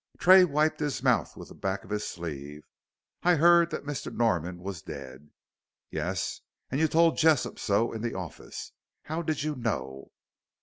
Tray wiped his mouth with the back of his sleeve. "I 'eard that Mr. Norman wos dead " "Yes, and you told Jessop so in the office. How did you know?"